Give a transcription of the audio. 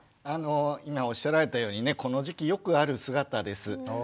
今おっしゃられたようにねこの時期よくある姿です。